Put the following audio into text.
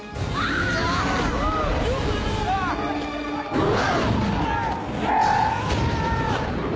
うわ！